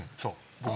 僕も。